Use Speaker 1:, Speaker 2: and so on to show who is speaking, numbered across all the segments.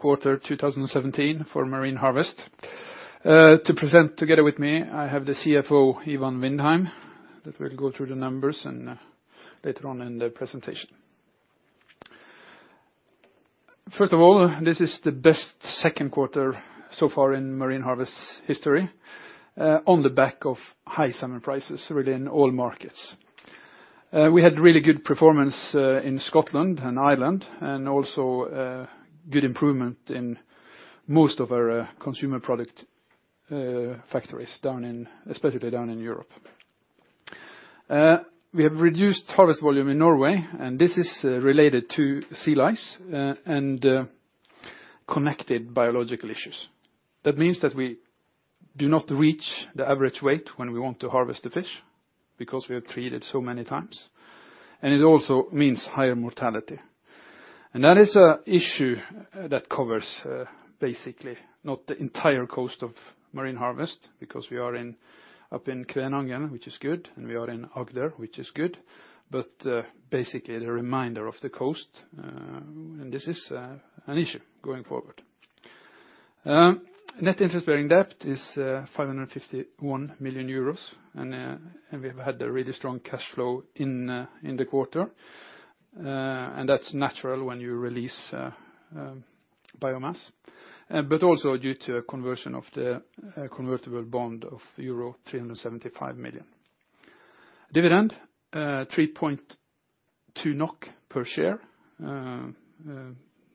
Speaker 1: Q2 2017 for Marine Harvest. To present together with me, I have the CFO, Ivan Vindheim, that will go through the numbers later on in the presentation. First of all, this is the best second quarter so far in Marine Harvest's history on the back of high salmon prices within all markets. We had really good performance in Scotland and Ireland and also good improvement in most of our Consumer Products factories, especially down in Europe. We have reduced harvest volume in Norway. This is related to sea lice and connected biological issues. That means that we do not reach the average weight when we want to harvest the fish because we have treated so many times. It also means higher mortality. That is an issue that covers basically not the entire coast of Marine Harvest because we are up in Kvænangen, which is good, and we are in Agder, which is good, but basically the remainder of the coast. This is an issue going forward. Net interest-bearing debt is 551 million euros, and we've had a really strong cash flow in the quarter. That's natural when you release biomass, but also due to a conversion of the convertible bond of euro 375 million. Dividend 3.2 NOK per share,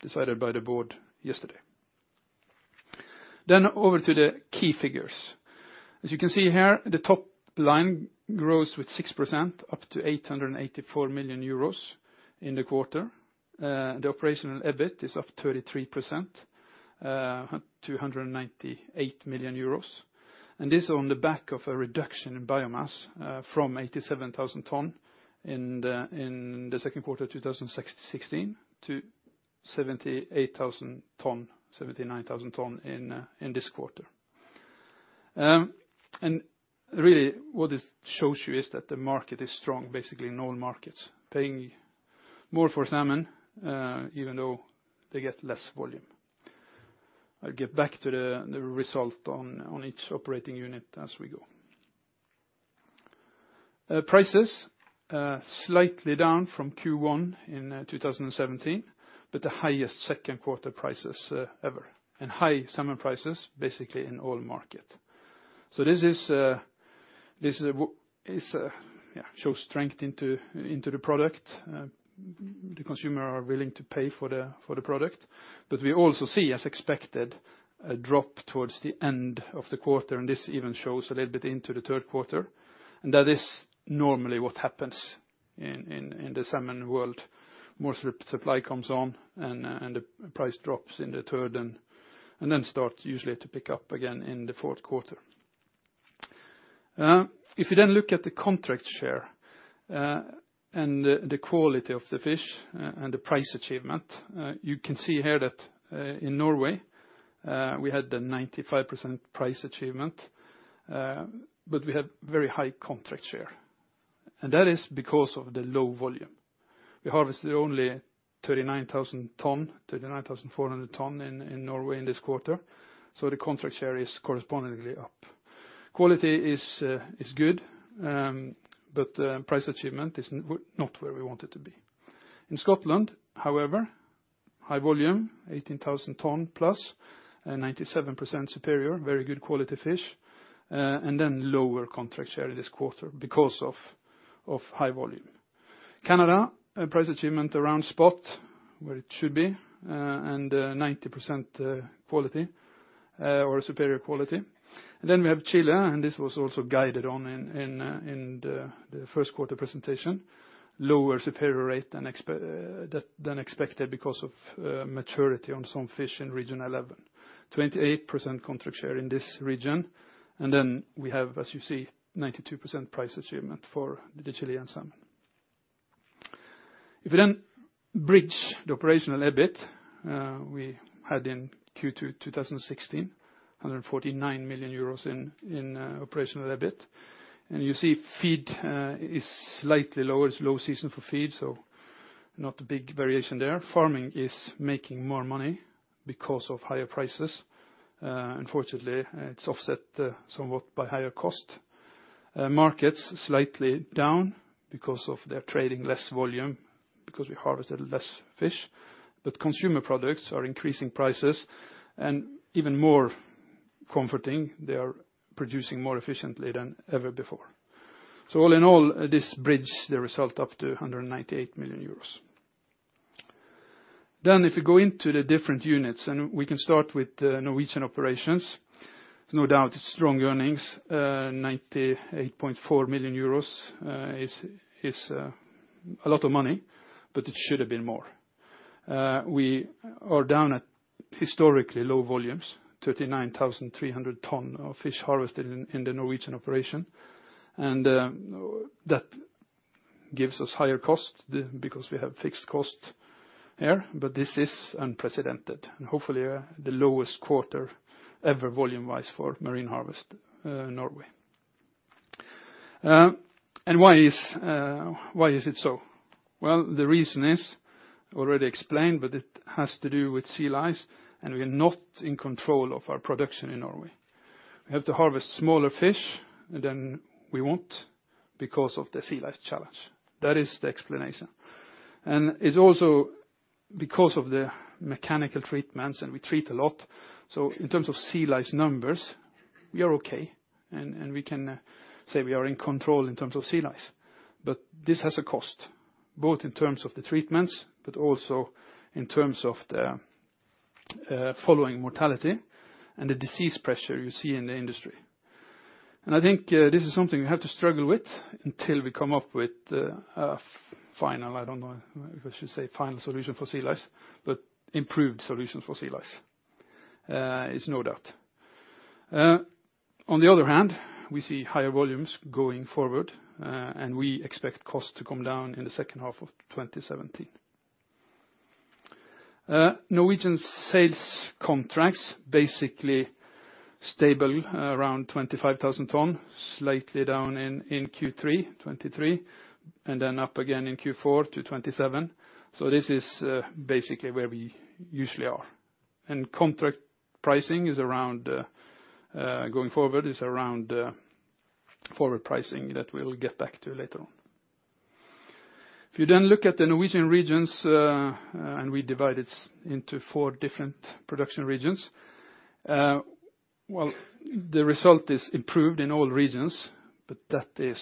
Speaker 1: decided by the board yesterday. Over to the key figures. As you can see here, the top line grows with 6% up to 884 million euros in the quarter. The operational EBIT is up 33% to EUR 198 million. This on the back of a reduction in biomass from 87,000 tons in the second quarter 2016 to 78,000 tons, 79,000 tons in this quarter. Really what this shows you is that the market is strong, basically in all markets, paying more for salmon even though they get less volume. I'll get back to the result on each operating unit as we go. Prices slightly down from Q1 2017, but the highest second quarter prices ever and high salmon prices basically in all markets. This shows strength into the product. The consumers are willing to pay for the product. We also see, as expected, a drop towards the end of the quarter, and this even shows a little bit into the third quarter. That is normally what happens in the salmon world. Most of the supply comes on, the price drops in the third and then starts usually to pick up again in the fourth quarter. If you look at the contract share and the quality of the fish and the price achievement, you can see here that in Norway, we had the 95% price achievement, but we had very high contract share. That is because of the low volume. We harvested only 39,000 tons, 39,400 tons in Norway in this quarter, the contract share is correspondingly up. Quality is good, price achievement is not where we want it to be. In Scotland, however, high volume, 18,000 tons+ and 97% superior, very good quality fish, lower contract share this quarter because of high volume. Canada, price achievement around spot where it should be, 90% quality or superior quality. We have Chile, and this was also guided on in the first quarter presentation. Lower superior share than expected because of maturity on some fish in region 11. 28% contract share in this region. We have, as you see, 92% price achievement for the Chilean salmon. If we bridge the operational EBIT we had in Q2 2016, 149 million euros in operational EBIT. You see feed is slightly lower. It's low season for feed, so not a big variation there. Farming is making more money because of higher prices. Unfortunately, it's offset somewhat by higher cost. Markets slightly down because of they're trading less volume because we harvested less fish, but Consumer Products are increasing prices and even more comforting, they are producing more efficiently than ever before. All in all, this bridge, they result up to 198 million euros. If you go into the different units, and we can start with the Norwegian operations, no doubt it's strong earnings. 98.4 million euros is a lot of money, but it should have been more. We are down at historically low volumes, 39,300 tons of fish harvested in the Norwegian operation, and that gives us higher cost because we have fixed costs there, but this is unprecedented. Hopefully, the lowest quarter ever volume-wise for Marine Harvest Norway. Why is it so? Well, the reason is already explained, but it has to do with sea lice, and we're not in control of our production in Norway. We have to harvest smaller fish than we want because of the sea lice challenge. That is the explanation. It's also because of the mechanical treatments, and we treat a lot. In terms of sea lice numbers, we are okay, and we can say we are in control in terms of sea lice. This has a cost, both in terms of the treatments but also in terms of the following mortality and the disease pressure you see in the industry. I think this is something we have to struggle with until we come up with a final, I don't know if I should say final solution for sea lice, but improved solution for sea lice. It's no doubt. On the other hand, we see higher volumes going forward, and we expect costs to come down in the second half of 2017. Norwegian sales contracts basically stable around 25,000 tons, slightly down in Q3, 23,000 tons and then up again in Q4 to 27,000 tons. This is basically where we usually are. Contract pricing going forward is around forward pricing that we'll get back to later on. Look at the Norwegian regions, and we divide it into four different production regions. The result is improved in all regions, but that is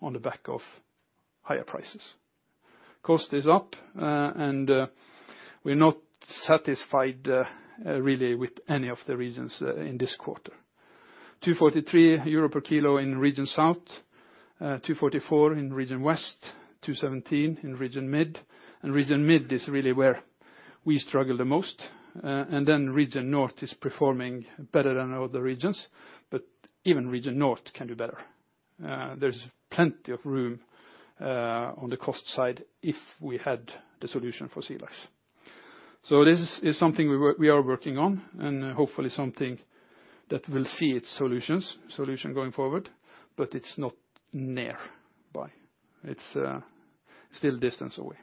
Speaker 1: on the back of higher prices. Cost is up, and we're not satisfied really with any of the regions in this quarter. 2.43 euro per kilo in Region South, 2.44 in Region West, 2.17 in Region Mid, and Region Mid is really where we struggle the most. Region North is performing better than other regions, but even Region North can do better. There's plenty of room on the cost side if we had the solution for sea lice. This is something we are working on and hopefully something that will see its solution going forward, but it's not nearby. It's still a distance away.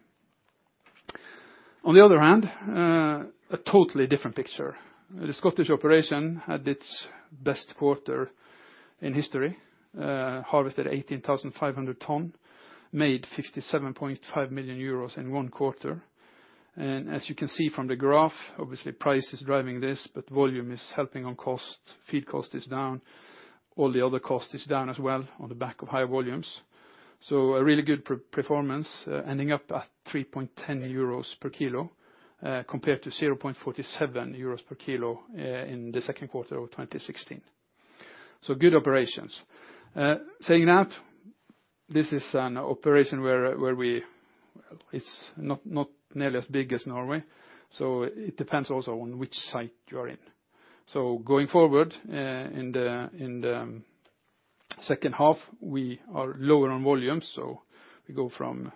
Speaker 1: A totally different picture. The Scottish operation had its best quarter in history. Harvested 18,500 tons, made 57.5 million euros in one quarter. As you can see from the graph, obviously price is driving this, but volume is helping on cost. Feed cost is down. All the other costs are down as well on the back of high volumes. A really good performance ending up at 3.10 euros per kilo compared to 0.47 euros per kilo in the second quarter of 2016. Good operations. Saying that, this is an operation where it's not nearly as big as Norway, it depends also on which site you're in. Going forward, in the second half, we are lower on volume, we go from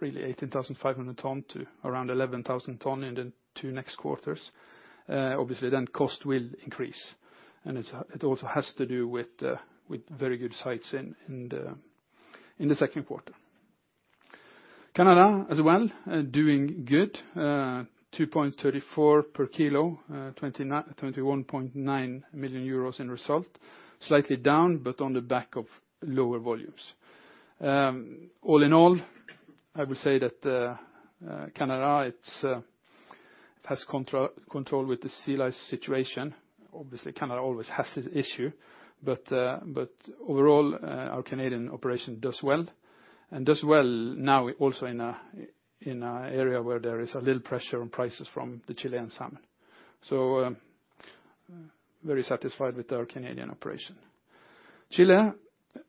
Speaker 1: really 18,500 tons to around 11,000 tons in the two next quarters. Obviously, cost will increase, and it also has to do with very good sites in the second quarter. Canada as well, doing good. 2.34 per kilo, 21.9 million euros in result. Slightly down, on the back of lower volumes. All in all, I would say that Canada has control with the sea lice situation. Obviously, Canada always has this issue, overall, our Canadian operation does well and does well now also in an area where there is a little pressure on prices from the Chilean salmon. Very satisfied with our Canadian operation. Chile,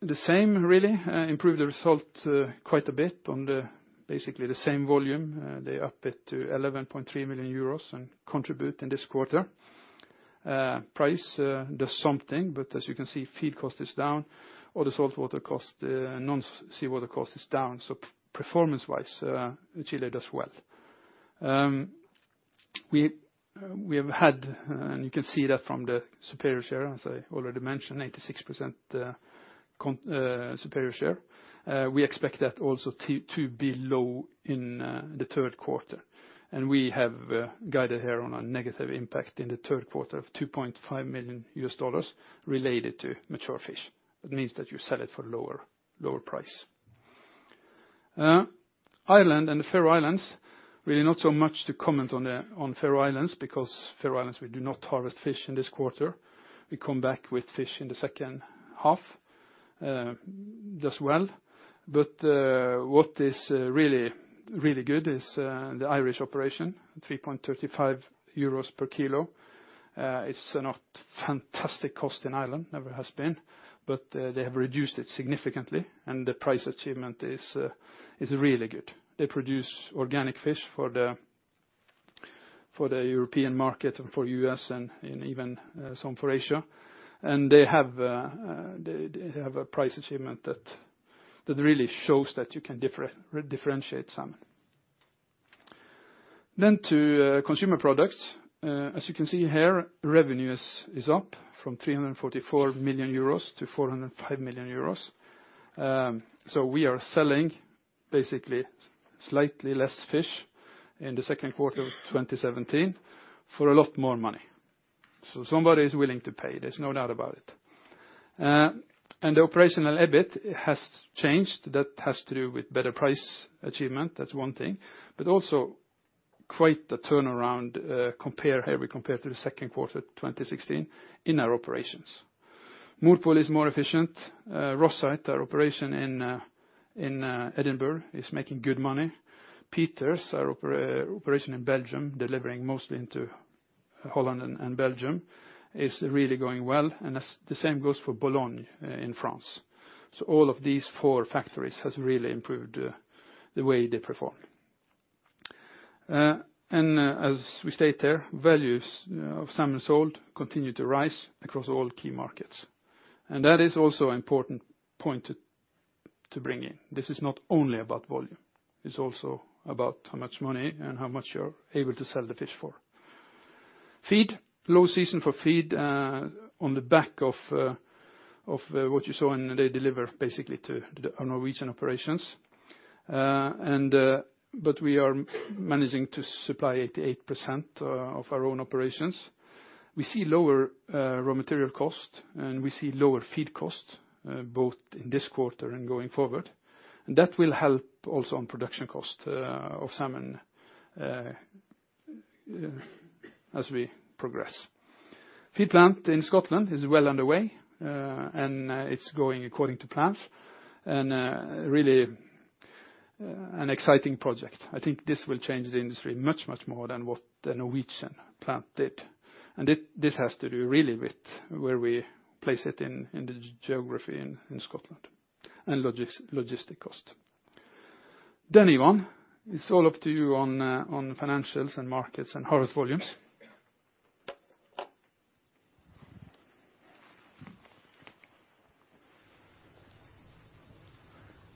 Speaker 1: the same, really. Improved the result quite a bit on basically the same volume. They up it to 11.3 million euros in contribute in this quarter. Price does something, as you can see, feed cost is down. All the saltwater cost, non-seawater cost is down. Performance-wise, Chile does well. We have had, and you can see that from the superior share, as I already mentioned, 86% superior share. We expect that also to be low in the third quarter. We have guided here on a negative impact in the third quarter of $2.5 million related to mature fish. It means that you sell it for a lower price. Ireland and the Faroe Islands, really not so much to comment on Faroe Islands because Faroe Islands, we do not harvest fish in this quarter. We come back with fish in the second half. Does well. What is really good is the Irish operation, 3.35 euros per kilo. It's not fantastic cost in Ireland, never has been, but they have reduced it significantly and the price achievement is really good. They produce organic fish for the European market and for U.S. and even some for Asia. They have a price achievement that really shows that you can differentiate some. To Consumer Products. As you can see here, revenues are up from 344 million euros to 405 million euros. We are selling basically slightly less fish in the second quarter of 2017 for a lot more money. Somebody is willing to pay, there's no doubt about it. The operational EBIT has changed. That has to do with better price achievement. That's one thing. Also quite the turnaround compare heavily compared to the second quarter of 2016 in our operations. Morpol is more efficient. Rosyth, our operation in Edinburgh is making good money. Pieters, our operation in Belgium, delivering mostly into Holland and Belgium is really going well, and the same goes for Boulogne in France. All of these four factories have really improved the way they perform. As we state there, values of salmon sold continue to rise across all key markets. That is also an important point to bring in. This is not only about volume, it's also about how much money and how much you're able to sell the fish for. Feed. Low season for feed on the back of what you saw, and they deliver basically to the Norwegian operations. We are managing to supply 88% of our own operations. We see lower raw material cost, and we see lower feed cost, both in this quarter and going forward. That will help also on production cost of salmon as we progress. Feed plant in Scotland is well underway, and it's going according to plan and really an exciting project. I think this will change the industry much more than what the Norwegian plant did, and this has to do really with where we place it in the geography in Scotland and logistic cost. Ivan you are on, it's all up to you on financials and markets and harvest volumes.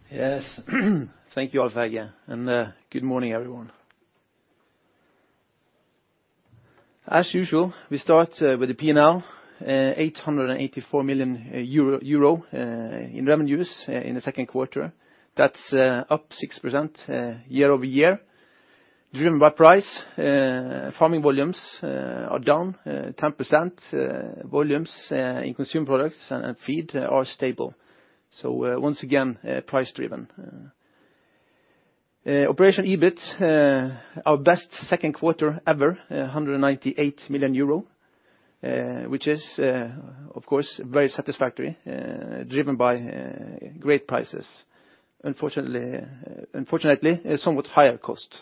Speaker 2: Yes. Thank you, Alf-Helge. Good morning, everyone. As usual, we start with the P&L, 884 million euro in revenues in the second quarter. That's up 6% year-over-year, driven by price. Farming volumes are down 10%. Volumes in Consumer Products and feed are stable. Once again, price driven. Operational EBIT, our best second quarter ever, 198 million euro, which is, of course, very satisfactory, driven by great prices. Unfortunately, somewhat higher cost.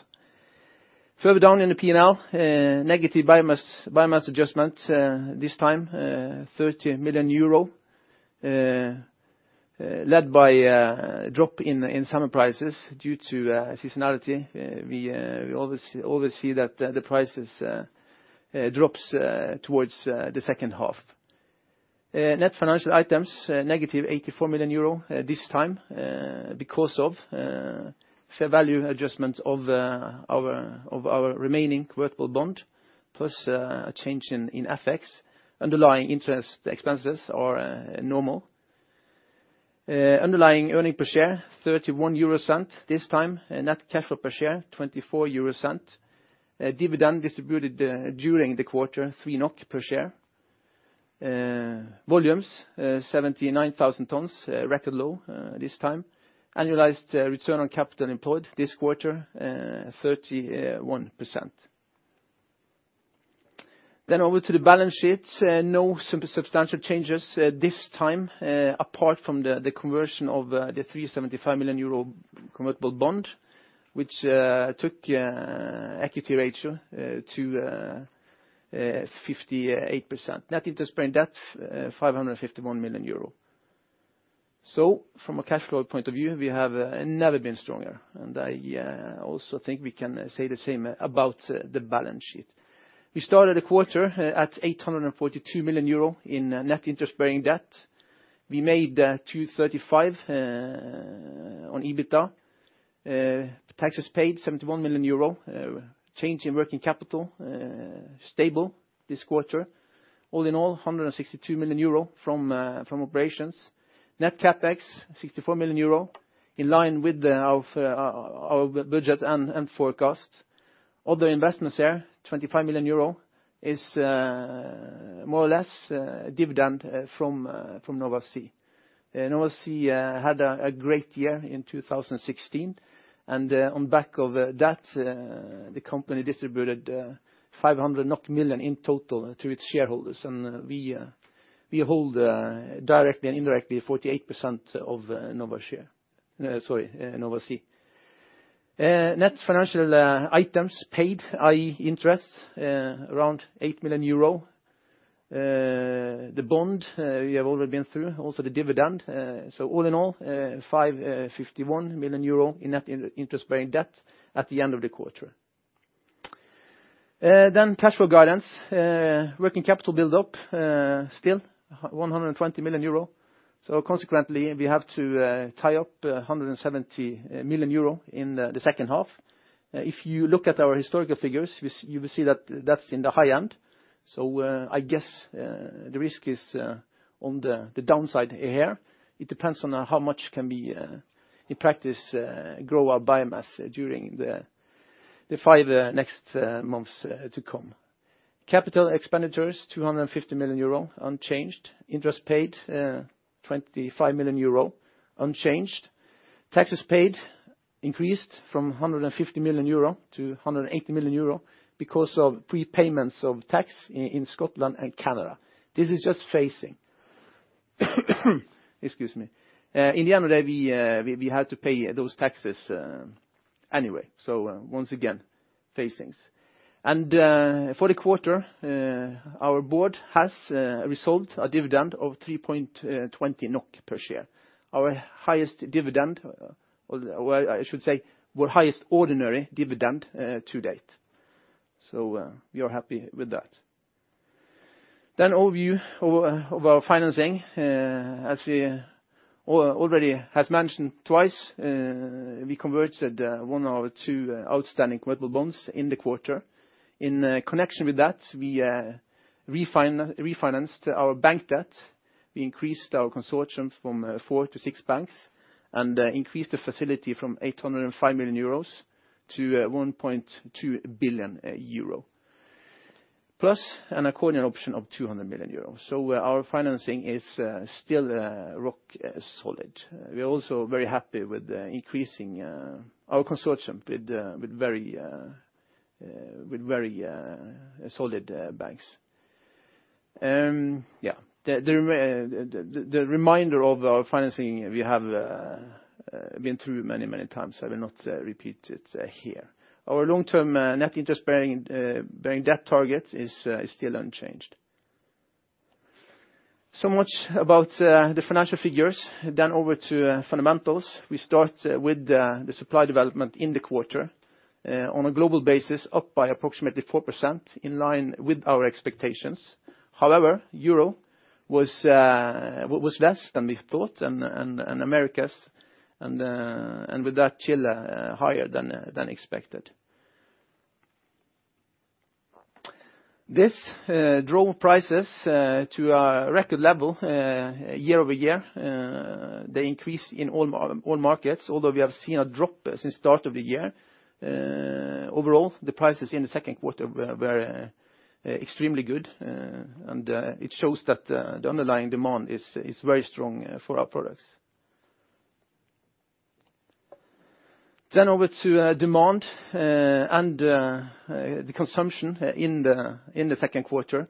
Speaker 2: Further down in the P&L, negative biomass adjustment this time, 30 million euro, led by a drop in salmon prices due to seasonality. We always see that the prices drops towards the second half. Net financial items negative 84 million euro this time, because of fair value adjustment of our remaining convertible bond plus a change in FX. Underlying interest expenses are normal. Underlying earning per share, 0.31 this time. Net EPS per share, 0.24. Dividend distributed during the quarter, 3 NOK per share. Volumes 79,000 tons, record low this time. Annualized return on capital employed this quarter, 31%. Over to the balance sheet. No substantial changes this time apart from the conversion of the 375 million euro convertible bond, which took equity ratio to 58%. Net interest-bearing debt, 551 million euro. From a cash flow point of view, we have never been stronger, and I also think we can say the same about the balance sheet. We started the quarter at 842 million euro in net interest-bearing debt. We made 235 million on EBITDA. Taxes paid, 71 million euro. Change in working capital, stable this quarter. All in all, 162 million euro from operations. Net CapEx, 64 million euro, in line with our budget and forecast. Other investments here, 25 million euro, is more or less dividend from Nova Sea. Nova Sea had a great year in 2016, and on back of that, the company distributed 500 million NOK in total to its shareholders, and we hold directly and indirectly 48% of Nova Sea. Net financial items paid, i.e. interest, around 8 million euro. The bond we have already been through, also the dividend. All in all, 551 million euro in net interest-bearing debt at the end of the quarter. Cash flow guidance. Working capital build-up, still 120 million euro. Consequently, we have to tie up 170 million euro in the second half. If you look at our historical figures, you will see that that's in the high end. I guess the risk is on the downside here. It depends on how much can we, in practice, grow our biomass during the five next months to come. Capital expenditures 250 million euro, unchanged. Interest paid, 25 million euro, unchanged. Taxes paid increased from 150 million euro to 180 million euro because of prepayments of tax in Scotland and Canada. This is just phasing. Excuse me. In the end, we had to pay those taxes anyway. Once again, phasings. For the quarter, our board has resolved a dividend of 3.20 NOK per share. Our highest dividend, or I should say our highest ordinary dividend to date. We are happy with that. Overview of our financing. As we already have mentioned twice, we converted one of our two outstanding convertible bonds in the quarter. In connection with that, we refinanced our bank debt. We increased our consortium from four to six banks and increased the facility from 805 million euros to 1.2 billion euro, plus an accordion option of 200 million euros. Our financing is still rock solid. We're also very happy with increasing our consortium with very solid banks. The remainder of our financing we have been through many times, I will not repeat it here. Our long-term net interest-bearing debt target is still unchanged. Much about the financial figures. Over to fundamentals. We start with the supply development in the quarter. On a global basis, up by approximately 4%, in line with our expectations. However, Europe was less than we thought, and Americas, and with that, Chile higher than expected. This drove prices to a record level year-over-year. They increased in all markets, although we have seen a drop since start of the year. Overall, the prices in the second quarter were extremely good, and it shows that the underlying demand is very strong for our products. Over to demand and the consumption in the second quarter.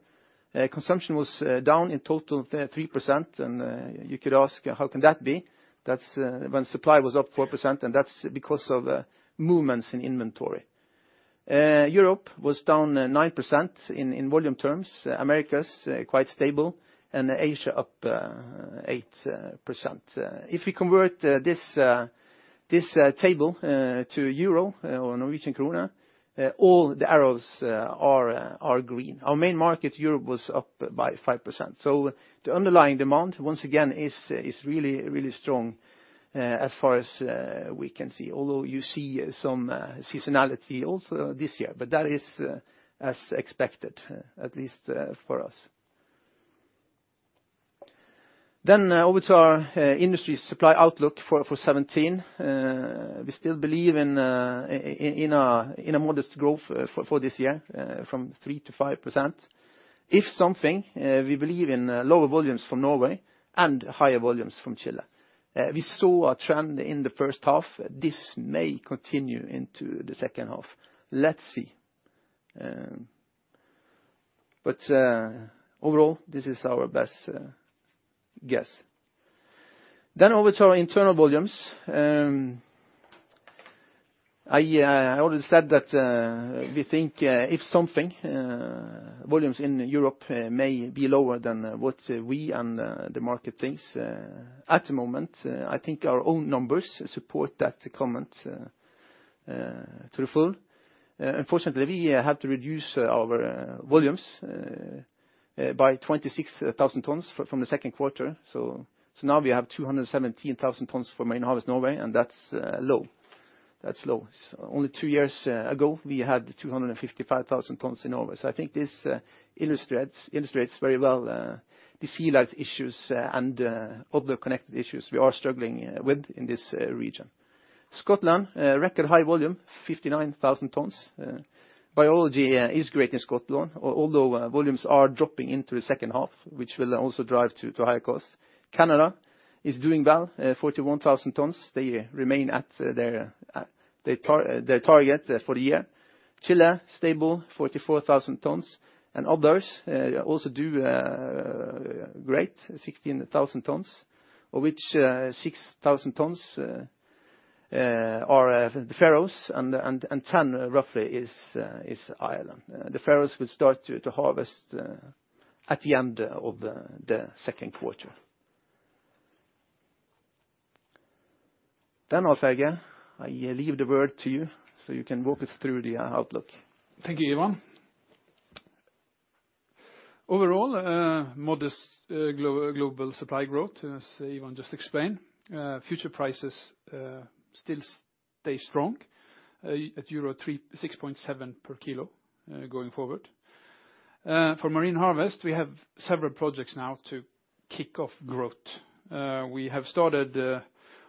Speaker 2: Consumption was down in total of 3%, and you could ask, how can that be when supply was up 4%? That's because of the movements in inventory. Europe was down 9% in volume terms, Americas quite stable, and Asia up 8%. If you convert this table to euro or Norwegian krone, all the arrows are green. Our main market, Europe, was up by 5%. The underlying demand, once again, is really strong as far as we can see, although you see some seasonality also this year, but that is as expected, at least for us. Over to our industry supply outlook for 2017. We still believe in a modest growth for this year from 3%-5%. If something, we believe in lower volumes from Norway and higher volumes from Chile. We saw a trend in the first half. This may continue into the second half. Let's see. Overall, this is our best guess. Over to our internal volumes. I already said that we think if something, volumes in Europe may be lower than what we and the market thinks at the moment. I think our own numbers support that comment to the full. Unfortunately, we have to reduce our volumes by 26,000 tons from the second quarter. Now we have 217,000 tons for mainland Norway, and that's low. Only two years ago, we had 255,000 tons in August. I think this illustrates very well the sea lice issues and other connected issues we are struggling with in this region. Scotland, record high volume, 59,000 tons. Biology is great in Scotland, although volumes are dropping into the second half, which will also drive to high costs. Canada is doing well, 41,000 tons. They remain at their target for the year. Chile, stable, 44,000 tons. Others also do great, 16,000 tons, of which 6,000 tons are the Faroes and 10,000 tons roughly is Ireland. The Faroes will start to harvest at the end of the second quarter. Alf-Helge again, I yield the word to you so you can walk us through the outlook.
Speaker 1: Thank you, Ivan. Overall, modest global supply growth, as Ivan just explained. Future prices still stay strong at 6.7 per kilo going forward. For Marine Harvest, we have several projects now to kick off growth. We have started,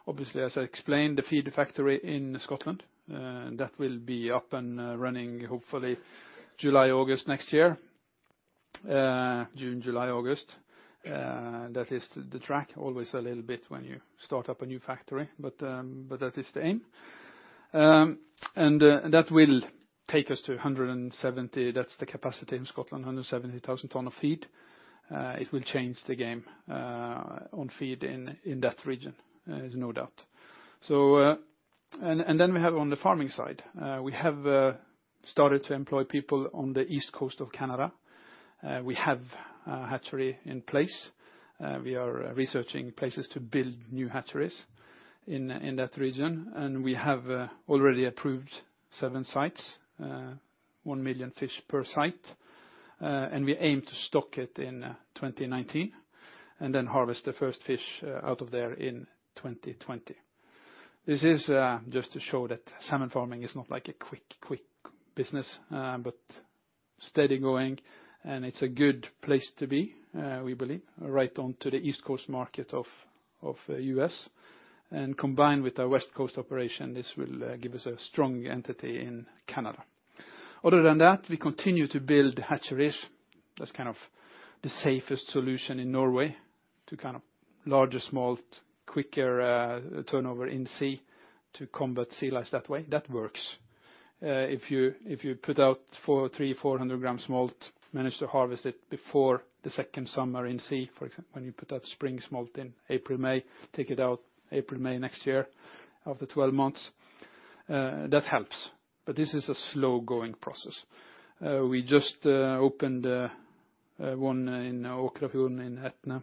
Speaker 1: obviously as I explained, the feed factory in Scotland, and that will be up and running hopefully June, July, August next year. That is the track, always a little bit when you start up a new factory, but that is the aim. That will take us to 170, that's the capacity in Scotland, 170,000 tons of feed. It will change the game on feed in that region, there's no doubt. We have on the farming side. We have started to employ people on the east coast of Canada. We have a hatchery in place. We are researching places to build new hatcheries in that region, and we have already approved seven sites, one million fish per site, and we aim to stock it in 2019 and then harvest the first fish out of there in 2020. This is just to show that salmon farming is not like a quick business, but steady going, and it's a good place to be, we believe, right onto the East Coast market of U.S. Combined with our West Coast operation, this will give us a strong entity in Canada. Other than that, we continue to build hatcheries. That's kind of the safest solution in Norway to larger smolt quicker turnover in sea to combat sea lice that way. That works. If you put out 3, 400 grams smolt, manage to harvest it before the second summer in sea, for example, when you put out spring smolt in April, May, take it out April, May next year, after 12 months, that helps. This is a slow-going process. We just opened one in Åkrafjorden in Etne,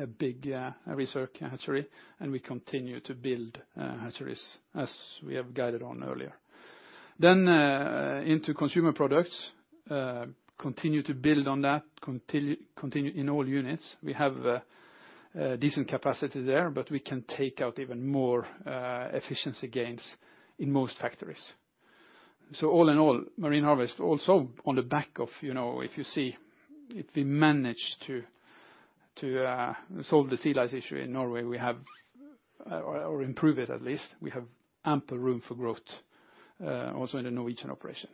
Speaker 1: a big research hatchery, and we continue to build hatcheries as we have guided on earlier. Into Consumer Products, continue to build on that, continue in all units. We have decent capacity there, but we can take out even more efficiency gains in most factories. All in all, Marine Harvest also on the back of, if you see, if we manage to solve the sea lice issue in Norway or improve it at least, we have ample room for growth also in the Norwegian operation.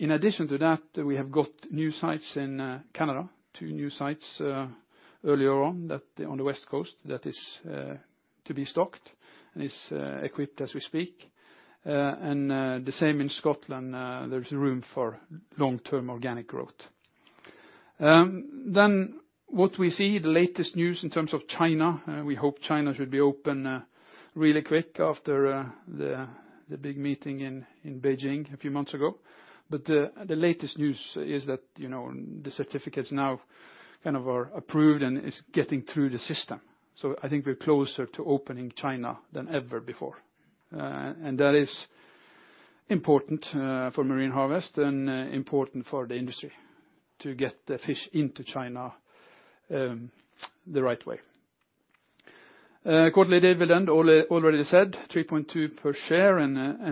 Speaker 1: In addition to that, we have got new sites in Canada, two new sites earlier on the West Coast that is to be stocked, is equipped as we speak. The same in Scotland, there's room for long-term organic growth. What we see, the latest news in terms of China, we hope China should be open really quick after the big meeting in Beijing a few months ago. The latest news is that the certificates now kind of are approved and it's getting through the system. I think we're closer to opening China than ever before. That is important for Marine Harvest and important for the industry to get the fish into China the right way. Quarterly dividend, already said, 3.2 per share.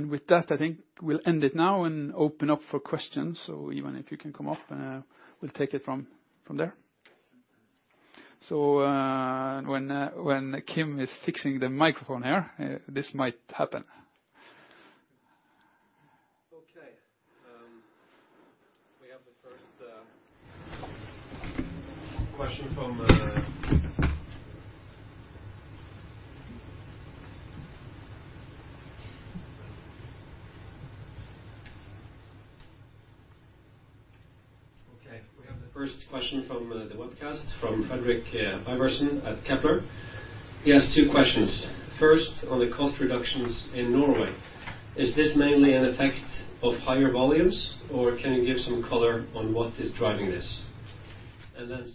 Speaker 1: With that, I think we'll end it now and open up for questions. Ivan if you can come up and we'll take it from there. When Kim is fixing the microphone there, this might happen.
Speaker 2: Okay. We have the first question from the webcast from Fredrik Ivarsson at Kepler. He has two questions. First, on the cost reductions in Norway. Is this mainly an effect of higher volumes or can you give some color on what is driving this?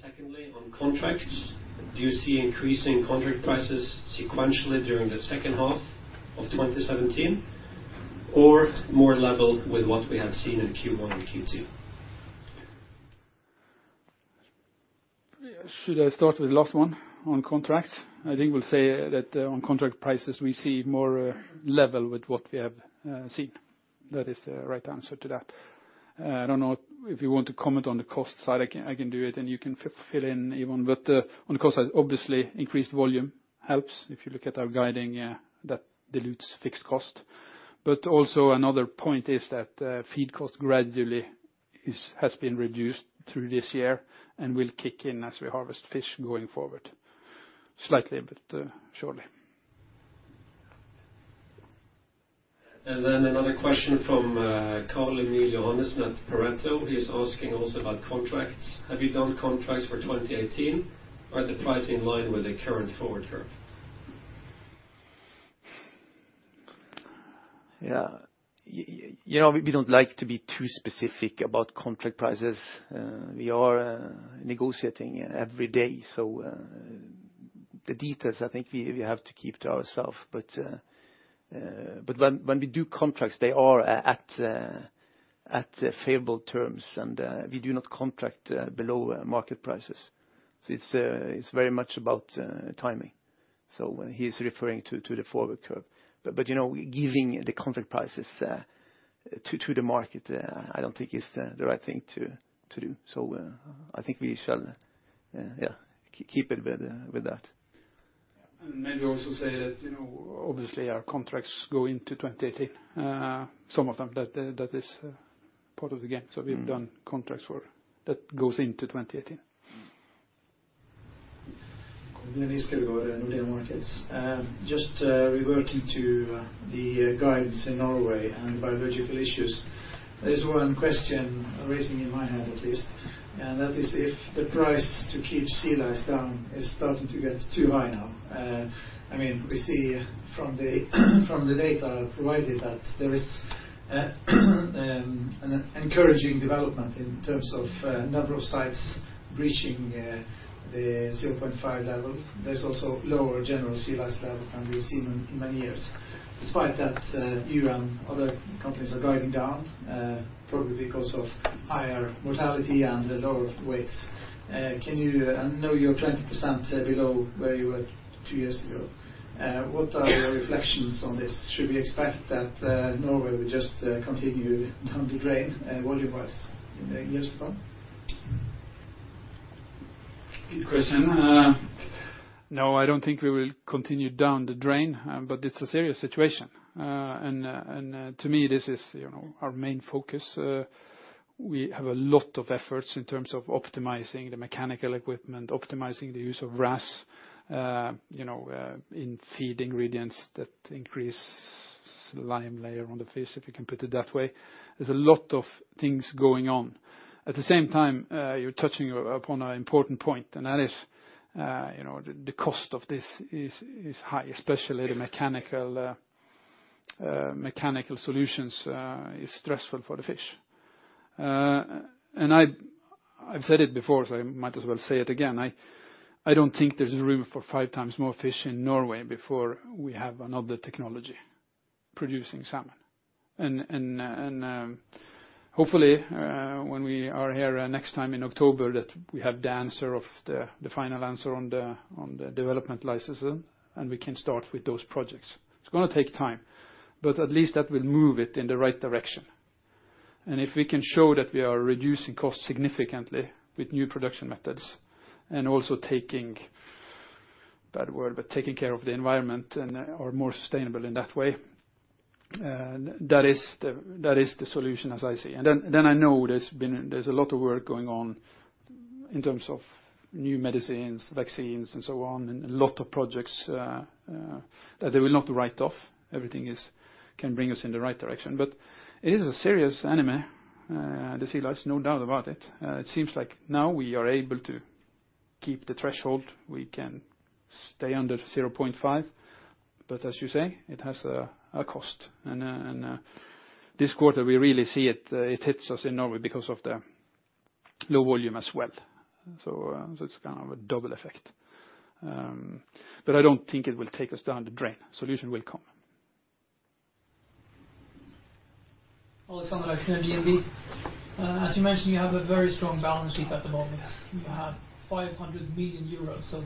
Speaker 2: Secondly, on contracts, do you see increasing contract prices sequentially during the second half of 2017 or more level with what we have seen in Q1 or Q2?
Speaker 1: Should I start with the last one on contracts? I think we'll say that on contract prices we see more level with what we have seen. That is the right answer to that. I don't know if you want to comment on the cost side. I can do it and you can fill in, Ivan. On cost side, obviously increased volume helps if you look at our guiding, that dilutes fixed cost. Also another point is that feed cost gradually has been reduced through this year and will kick in as we harvest fish going forward. Slightly, but surely.
Speaker 2: Another question from Carl-Emil Johannessen at Pareto. He's asking also about contracts. Have you done contracts for 2018? Are the prices in line with the current forward curve?
Speaker 1: Yeah. We don't like to be too specific about contract prices. We are negotiating every day, so the details, I think, we have to keep to ourselves. When we do contracts, they are at favorable terms, and we do not contract below market prices. It's very much about timing. He's referring to the forward curve. Giving the contract prices to the market, I don't think is the right thing to do. I think we shall keep it with that. Yeah. May we also say that, obviously, our contracts go into 2030. Some of them, that is part of the game. We've done contracts that go into 2030.
Speaker 3: Kolbjørn Giskeødegård with Nordea Markets. Just reverting to the guidance in Norway and biological issues. There is one question raising in my head, at least, and that is if the price to keep sea lice down is starting to get too high now. We see from the data provided that there is an encouraging development in terms of number of sites reaching the 0.5 level. There is also lower general sea lice levels than we have seen in many years. Despite that, you and other companies are driving down, probably because of higher mortality and lower weights. I know you are 20% below where you were two years ago. What are your reflections on this? Should we expect that Norway will just continue down the drain volume-wise in the years to come?
Speaker 1: No, I don't think we will continue down the drain, but it's a serious situation. To me, this is our main focus. We have a lot of efforts in terms of optimizing the mechanical equipment, optimizing the use of wrasse in feed ingredients that increase the slime layer on the fish, if you can put it that way. There's a lot of things going on. At the same time, you're touching upon an important point, and that is the cost of this is high, especially mechanical solutions is stressful for the fish. I've said it before, so I might as well say it again. I don't think there's room for five times more fish in Norway before we have another technology producing salmon. Hopefully, when we are here next time in October, that we have the final answer on the development license, and we can start with those projects. It's going to take time, but at least that will move it in the right direction. If we can show that we are reducing costs significantly with new production methods and also taking care of the environment and are more sustainable in that way, that is the solution as I see. I know there's a lot of work going on in terms of new medicines, vaccines, and so on, and a lot of projects that we will not write off. Everything can bring us in the right direction. It is serious anyway, the sea lice, no doubt about it. It seems like now we are able to keep the threshold. We can stay under 0.5, but as you say, it has a cost. This quarter, we really see it. It hits us in Norway because of the low volume as well. It's kind of a double effect. I don't think it will take us down the drain. Solutions will come.
Speaker 4: [inaudible] with DNB. As you mentioned, you have a very strong balance sheet at the moment. You have 500 million euros of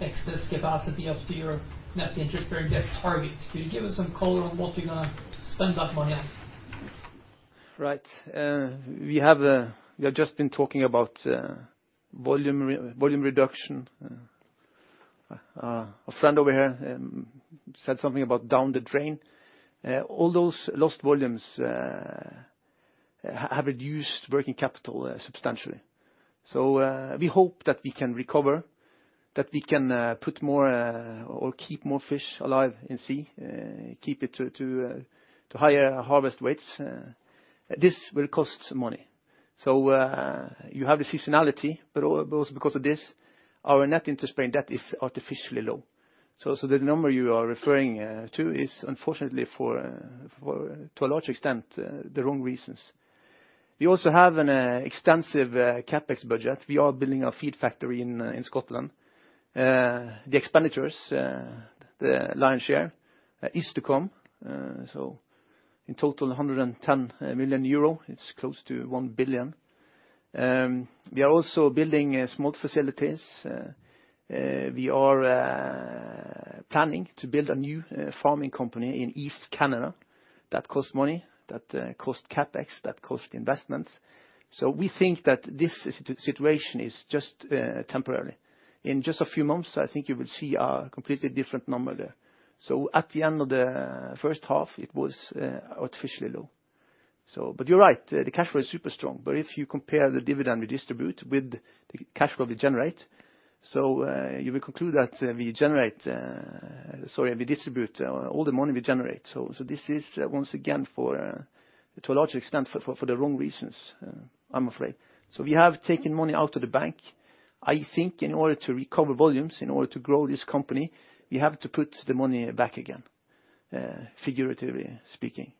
Speaker 4: excess capacity up to your net interest-bearing debt target. Can you give us some color on what you're going to spend that money on?
Speaker 2: Right. We have just been talking about volume reduction. A friend over here said something about down the drain. All those lost volumes have reduced working capital substantially. We hope that we can recover, that we can put more or keep more fish alive in sea, keep it to higher harvest weights. This will cost money. You have a seasonality, but also because of this, our net interest-bearing debt is artificially low. The number you are referring to is unfortunately to a large extent, the wrong reasons. We also have an extensive CapEx budget. We are building a feed factory in Scotland. The expenditures, the lion's share is to come. In total, 110 million euro, it's close to 1 billion. We are also building smolt facilities. We are planning to build a new farming company in East Canada. That costs money, that costs CapEx, that costs investments. We think that this situation is just temporary. In just a few months, I think you will see a completely different number there. At the end of the first half, it was artificially low. You're right, the cash flow is super strong. If you compare the dividend we distribute with the cash flow we generate, you will conclude that we distribute all the money we generate. This is, once again, to a large extent, for the wrong reasons. I'm afraid. We have taken money out of the bank. I think in order to recover volumes, in order to grow this company, we have to put the money back again, figuratively speaking.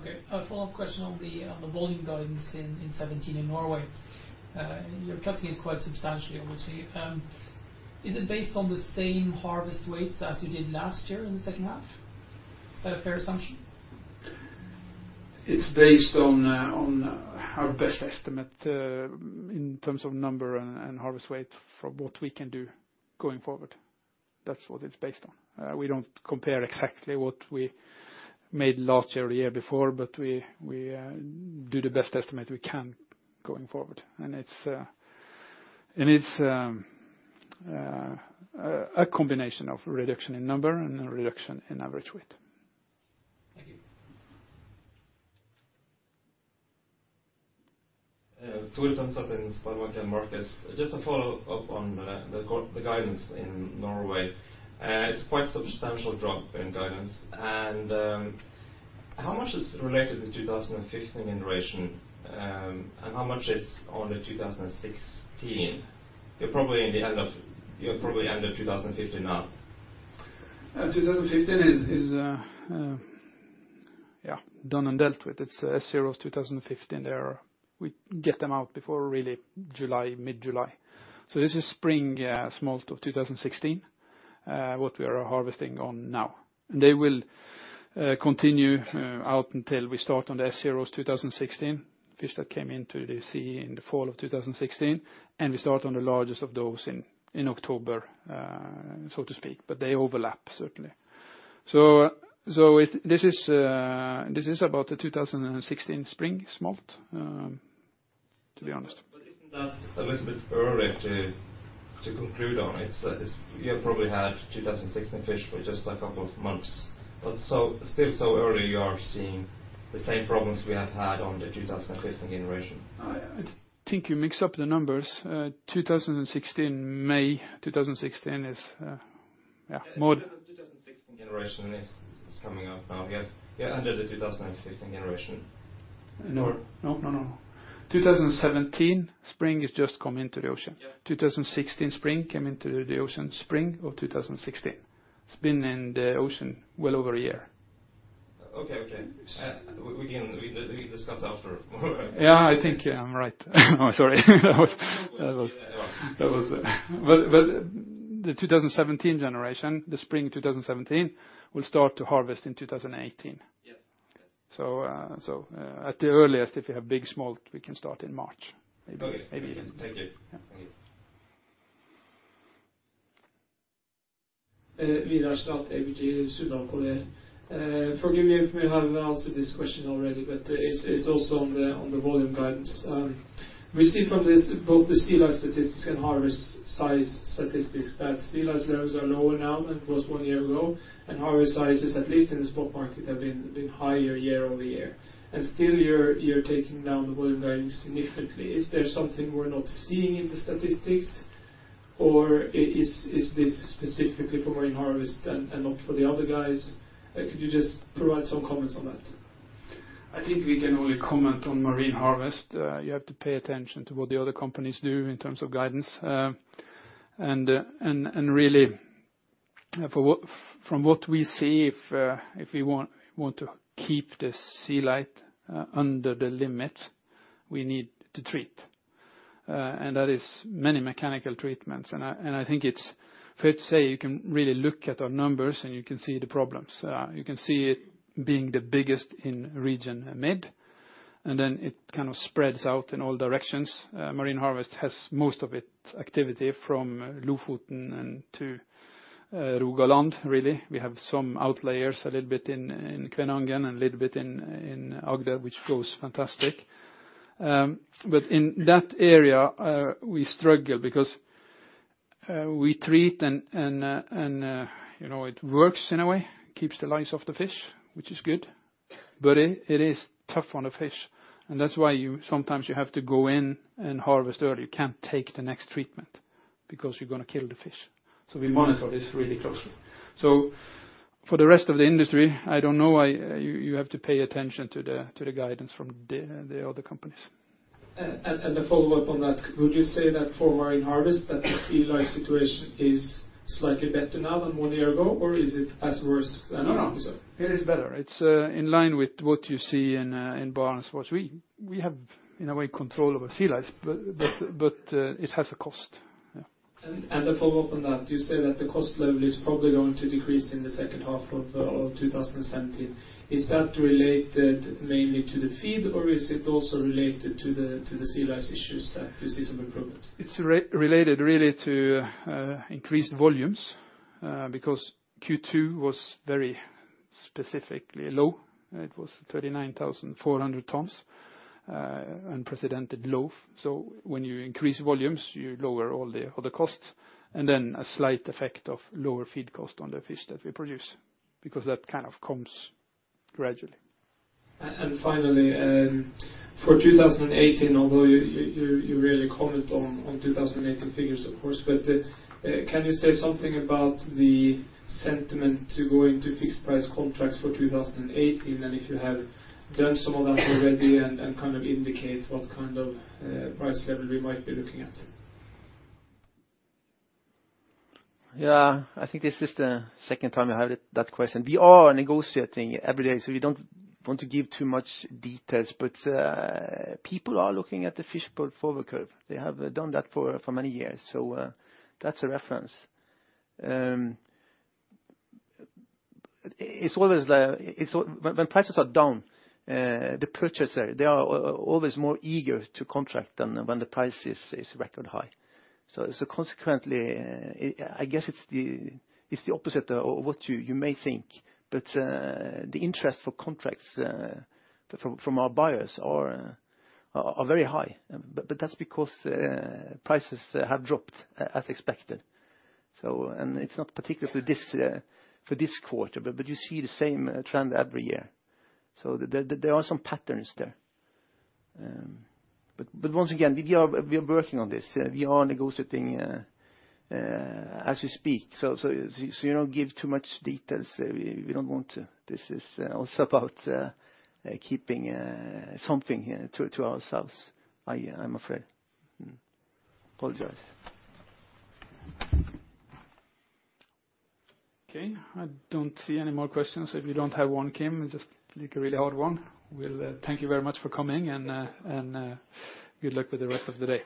Speaker 4: Okay. A follow-up question on the volume guidance in 2017 in Norway. You're cutting it quite substantially, I would say. Is it based on the same harvest weights as you did last year in the second half? Is that a fair assumption?
Speaker 1: It's based on our best estimate, in terms of number and harvest weight for what we can do going forward. That's what it's based on. We don't compare exactly what we made last year or the year before, but we do the best estimate we can going forward, and it's a combination of a reduction in number and a reduction in average weight.
Speaker 5: [inaudible] Just a follow-up on the guidance in Norway. It's quite a substantial drop in guidance. How much is related to the 2015 generation, and how much is on the 2016? You're probably under 2015 now.
Speaker 1: 2015 is done and dealt with. It's zero 2015 there. We get them out before really July, mid-July. This is spring smolt of 2016, what we are harvesting on now. They will continue out until we start on the zero 2016 fish that came into the sea in the fall of 2016, and we start on the largest of those in October, so to speak, but they overlap certainly. This is about the 2016 spring smolt, to be honest.
Speaker 5: Isn't that a little bit early to conclude on? You probably had 2016 fish for just a couple of months, but still so early you are seeing the same problems we have had on the 2015 generation.
Speaker 1: I think you mixed up the numbers. 2016 May. 2016 is mode.
Speaker 5: 2016 generation is coming up now. Yes. They're under the 2015 generation.
Speaker 1: No.
Speaker 5: No?
Speaker 1: No. 2017 spring has just come into the ocean.
Speaker 5: Yeah.
Speaker 1: 2016 spring came into the ocean spring of 2016. It's been in the ocean well over a year.
Speaker 5: Okay. We can discuss after.
Speaker 1: Yeah, I think I'm right. Sorry. The 2017 generation, the spring 2017, will start to harvest in 2018.
Speaker 5: Yes. Okay.
Speaker 1: At the earliest, if we have big smolt, we can start in March. Maybe then.
Speaker 5: Okay. Thank you.
Speaker 1: Yeah.
Speaker 6: [inaudible] Forgive me if you have answered this question already, but it's also on the volume guidance. We see from both the sea lice statistics and harvest size statistics that sea lice levels are lower now than it was one year ago, and harvest sizes, at least in the spot market, have been higher year-over-year. Still you're taking down the volume guidance significantly. Is there something we're not seeing in the statistics, or is this specifically for Marine Harvest and not for the other guys? Could you just provide some comments on that?
Speaker 1: I think we can only comment on Marine Harvest. You have to pay attention to what the other companies do in terms of guidance. Really, from what we see, if we want to keep the sea lice under the limit, we need to treat. That is many mechanical treatments. I think it's fair to say you can really look at our numbers and you can see the problems. You can see it being the biggest in region mid, and then it kind of spreads out in all directions. Marine Harvest has most of its activity from Lofoten and to Rogaland, really. We have some outliers a little bit in Kvinnherad and a little bit in Agder, which goes fantastic. In that area, we struggle because we treat and it works in a way, keeps the lice off the fish, which is good, but it is tough on the fish. That's why sometimes you have to go in and harvest early. You can't take the next treatment because you're going to kill the fish. We monitor this really closely. For the rest of the industry, I don't know. You have to pay attention to the guidance from the other companies.
Speaker 6: A follow-up on that. Could you say that for Marine Harvest that the sea lice situation is slightly better now than one year ago? Is it as worse than last year?
Speaker 1: No. It is better. It's in line with what you see in BarentsWatch. We have, in a way, control over sea lice, but it has a cost.
Speaker 6: A follow-up on that. You say that the cost level is probably going to decrease in the second half of 2017. Is that related mainly to the feed or is it also related to the sea lice issues that the season will progress?
Speaker 1: It's related really to increased volumes because Q2 was very specifically low. It was 39,400 tons, unprecedented low. When you increase volumes, you lower all the other costs and then a slight effect of lower feed cost on the fish that we produce because that kind of comes gradually.
Speaker 6: Finally, for 2018, although you rarely comment on 2018 figures, of course, but can you say something about the sentiment to go into fixed price contracts for 2018 and if you have done some of that already and kind of indicate what kind of price level you might be looking at?
Speaker 1: Yeah. I think this is the second time I had that question. We are negotiating every day, so we don't want to give too much details. People are looking at the fish spot forward curve. They have done that for many years. That's a reference. When prices are down, the purchaser, they are always more eager to contract than when the price is record high. Consequently, I guess it's the opposite of what you may think, but the interest for contracts from our buyers are very high, but that's because prices have dropped as expected. It's not particular for this quarter, but you see the same trend every year. There are some patterns there. Once again, we are working on this. We are negotiating as we speak. We don't give too much details. We don't want to. This is also about keeping something to ourselves, I'm afraid. Apologize. Okay, I don't see any more questions. If you don't have one, Kim, just like a really hard one. Well, thank you very much for coming and good luck with the rest of the day.